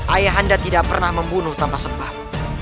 ayah anda tidak pernah membunuh tanpa sebab